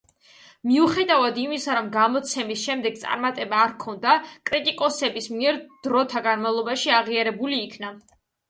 მიუხედავად იმისა, რომ გამოცემის შემდეგ წარმატება არ ჰქონია, კრიტიკოსების მიერ დროთა განმავლობაში აღიარებული იქნა.